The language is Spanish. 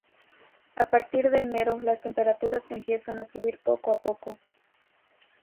A partir de enero, las temperaturas empiezan a subir poco a poco.